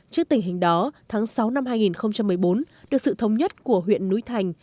trước tình hình đó tháng sáu năm hai nghìn một mươi bốn được sự thống nhất của huyện núi thành